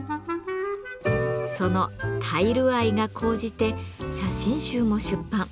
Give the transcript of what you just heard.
そのタイル愛が高じて写真集も出版。